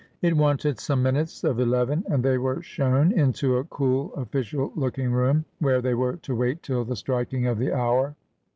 It wanted some minutes of eleven, and they were shown into a cool official looking room, where they were to wait till the striking of the hour.